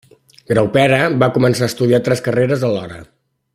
Graupera va començar a estudiar tres carreres alhora: